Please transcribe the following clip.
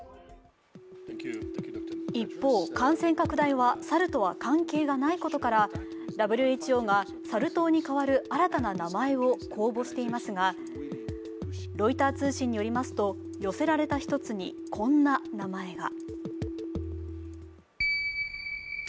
一方、感染拡大は猿とは関係ないことからＷＨＯが、サル痘に代わる新たな名前を応募していますがロイター通信によりますと寄せられた１つにこんな名前が。